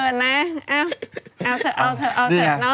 เออนะเอาเอาเสร็จ